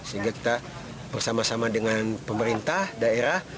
sehingga kita bersama sama dengan pemerintah daerah